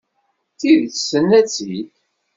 Tidet, tenna-tt-id.